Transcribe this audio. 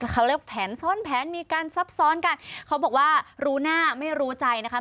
เขาเรียกแผนซ้อนแผนมีการซับซ้อนกันเขาบอกว่ารู้หน้าไม่รู้ใจนะคะ